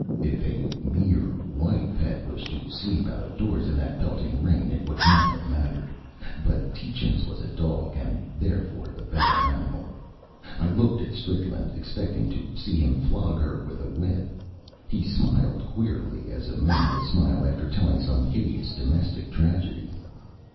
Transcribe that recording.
If a mere wife had wished to sleep out of doors in that pelting rain, it would not have mattered, but Tietjens was a dog, and therefore the better animal. I looked at Strickland, expecting to see him flog her with a whip. He smiled queerly, as a man would smile after telling some hideous domestic tragedy.